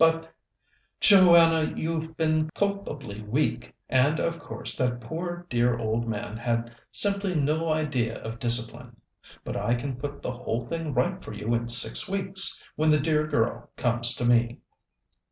But " "Joanna, you've been culpably weak, and of course that poor, dear old man had simply no idea of discipline. But I can put the whole thing right for you in six weeks, when the dear girl comes to me."